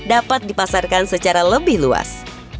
dapat dipasarkan secara lebih luas